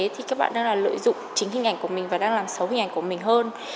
thì các bạn đang lợi dụng chính hình ảnh của mình và đang làm xấu hình ảnh của mình hơn